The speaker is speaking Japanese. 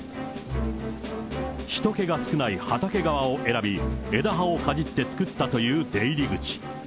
ひと気が少ない畑側を選び、枝葉をかじって作ったという出入り口。